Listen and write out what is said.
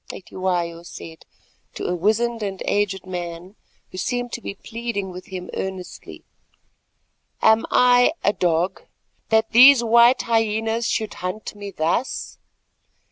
Cetywayo said, to a wizened and aged man who seemed to be pleading with him earnestly; "am I a dog that these white hyenas should hunt me thus?